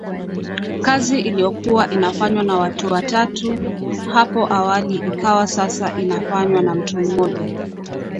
Kazi iliyokuwa inafanywa na watu watatu hapo awali ikawa sasa inafanywa na mtu mmoja